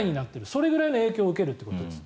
それくらいの影響を受けるということです。